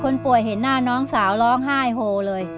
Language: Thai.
คนป่วยเห็นหน้าน้องสาวร้องไห้โหเลย